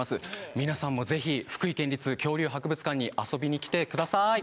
皆さんもぜひ、福井県立恐竜博物館に遊びにきてください！